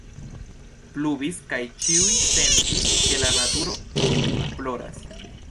Pluvis, kaj ĉiuj sentis, ke la naturo kunploras.